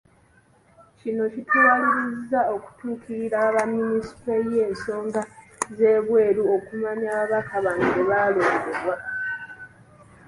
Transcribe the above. Kino kituwalirizza okutuukirira aba Minisitule y'ensonga z'ebweru okumanya ababaka bano bwe balondebwa.